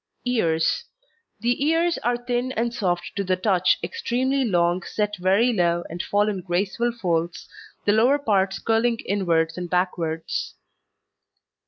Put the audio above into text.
EARS The ears are thin and soft to the touch, extremely long, set very low, and fall in graceful folds, the lower parts curling inwards and backwards.